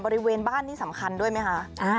บริเวณบ้านนี่สำคัญด้วยไหมคะ